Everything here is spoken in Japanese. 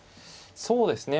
そうですね。